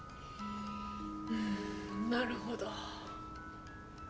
うんなるほど。